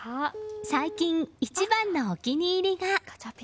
最近、一番のお気に入りが。